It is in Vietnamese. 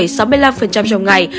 đây cũng là mức giá cao nhất